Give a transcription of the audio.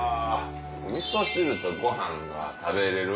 みそ汁とご飯が食べれる。